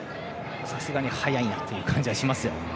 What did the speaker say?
さすがに速いなという感じがします。